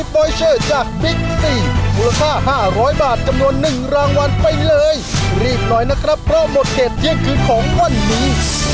เพราะหมดเกตเย็นคืนของวันนี้